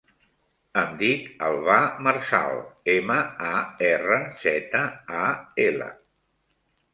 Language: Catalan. Em dic Albà Marzal: ema, a, erra, zeta, a, ela.